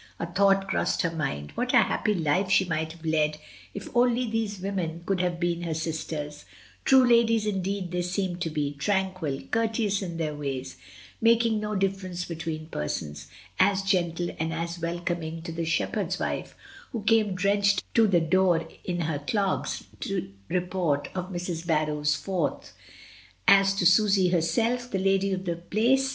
A thought crossed her mind, what a happy life she might have led if only these women could have been her sisters — true ladies indeed they seemed to be — tranquil, courteous in their ways, making no difference between persons, as gentle and as wel coming to the shepherd's wife, who came drenched to the door in her clogs, to report of Mrs. Barrow's fourth, as to Susy herself, the lady of the Place.